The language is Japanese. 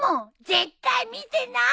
絶対見てないもん！